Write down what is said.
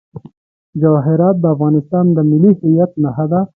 جواهرات د افغانستان د ملي هویت نښه ده.